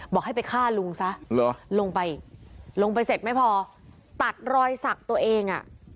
บอกให้ไปฆ่าลุงซะลงไปลงไปเสร็จไม่พอตัดรอยสักตัวเองอ่ะ